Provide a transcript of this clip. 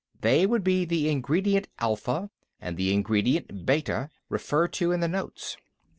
They would be the Ingredient Alpha and Ingredient Beta referred to in the notes.